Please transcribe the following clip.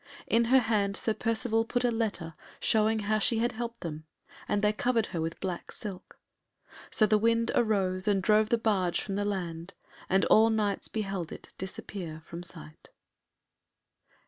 In her hand Sir Percivale put a letter showing how she had helped them, and they covered her with black silk; so the wind arose and drove the barge from the land, and all Knights beheld it disappear from sight.